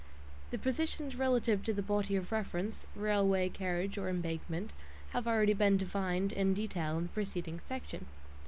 The positions relative to the body of reference (railway carriage or embankment) have already been defined in detail in the preceding section.